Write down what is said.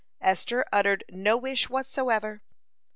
Esther uttered no wish whatsoever.